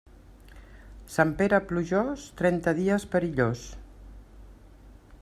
Sant Pere plujós, trenta dies perillós.